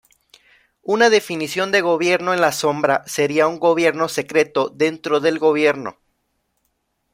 Una definición de gobierno en la sombra sería un "gobierno secreto dentro del gobierno".